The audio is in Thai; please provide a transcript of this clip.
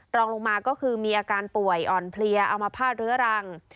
รองลงมาก็คือมีอาการป่วยอ่อนเพลียเอามาพาดเรื้อรัง